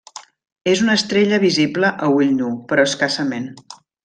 És una estrella visible a ull nu, però escassament.